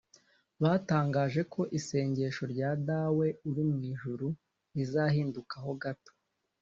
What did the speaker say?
batangaje ko isengesho rya “Dawe uri mu ijuru” rizahindukaho gato